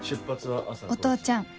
お父ちゃん